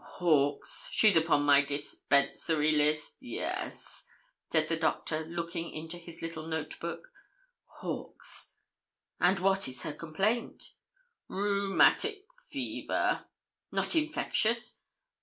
'Hawkes. She's upon my dispensary list. Yes,' said the doctor, looking into his little note book 'Hawkes.' 'And what is her complaint?' 'Rheumatic fever.' 'Not infectious?'